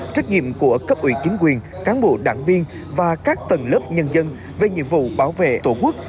trách nhiệm của cấp ủy chính quyền cán bộ đảng viên và các tầng lớp nhân dân về nhiệm vụ bảo vệ tổ quốc